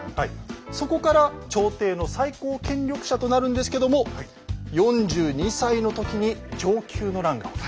そこから朝廷の最高権力者となるんですけども４２歳の時に承久の乱が起きます。